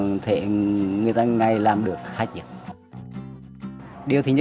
như vậy là khoảng hai tháng